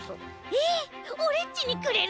えっオレっちにくれるの？